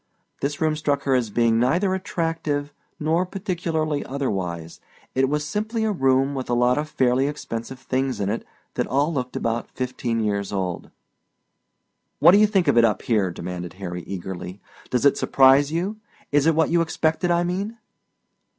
This room struck her as being neither attractive nor particularly otherwise. It was simply a room with a lot of fairly expensive things in it that all looked about fifteen years old. "What do you think of it up here?" demanded Harry eagerly. "Does it surprise you? Is it what you expected I mean?"